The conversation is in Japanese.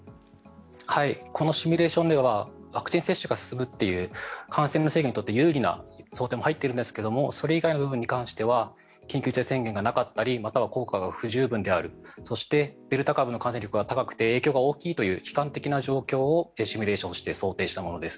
このシミュレーションではワクチン接種が進むという感染の制御にとって有利な想定も入っているんですがそれ以外の部分に関しては緊急事態宣言がなかったりまたは効果が不十分であるそしてデルタ株の感染力が高くて影響が大きいという悲観的な状況を想定してシミュレーションしたものです。